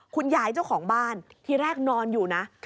คุณยายเจ้าของบ้านที่แรกนอนอยู่นะ